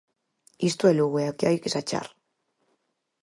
Isto é Lugo e aquí hai que sachar.